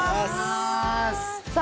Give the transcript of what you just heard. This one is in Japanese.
さあ